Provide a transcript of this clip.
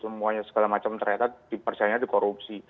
semuanya segala macam ternyata dipercaya dikorupsi